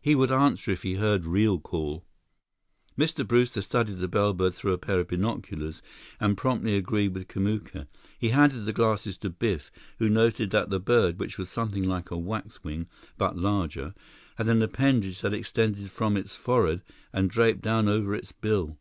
He would answer if he heard real call." Mr. Brewster studied the bellbird through a pair of binoculars and promptly agreed with Kamuka. He handed the glasses to Biff, who noted that the bird, which was something like a waxwing, but larger, had an appendage that extended from its forehead and draped down over its bill.